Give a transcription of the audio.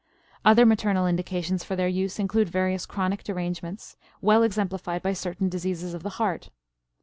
Other maternal indications for their use include various chronic derangements, well exemplified by certain diseases of the heart.